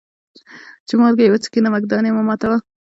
چي مالگه يې وڅکې ، نمک دان يې مه ماتوه.